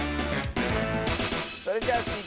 それじゃあスイ